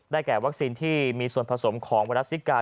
แก่วัคซีนที่มีส่วนผสมของไวรัสซิกา